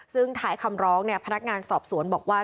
ซึ่งท้ายคำร้องพนักงานสอบสวนบอกว่า